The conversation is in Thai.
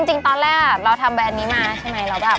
จริงตอนแรกเราทำแบรนด์นี้มาใช่ไหม